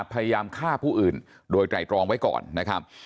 พยายามฆ่าผู้อื่นโดยไตรตรองไว้ก่อนนะครับ